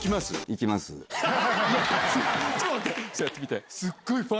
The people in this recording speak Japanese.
ちょっと待って！